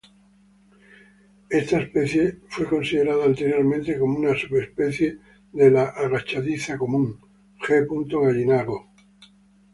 Esta especie fue considerada anteriormente como una subespecie de la agachadiza común, G. gallinago.